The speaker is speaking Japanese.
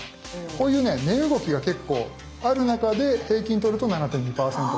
こういうね値動きが結構ある中で平均とると「７．２％」だよ。